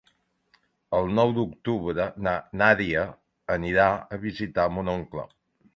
El nou d'octubre na Nàdia anirà a visitar mon oncle.